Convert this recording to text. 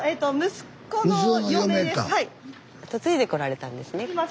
スタジオ嫁いでこられたんですね。